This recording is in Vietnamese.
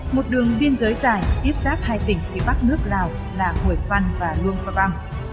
một đường biên giới dài tiếp giáp hai tỉnh phía bắc nước lào là hội văn và luông pháp văn